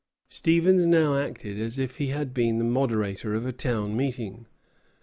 Stevens now acted as if he had been the moderator of a town meeting.